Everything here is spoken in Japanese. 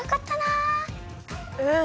うん！